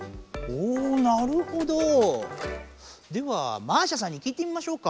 おなるほど！ではマーシャさんに聞いてみましょうか。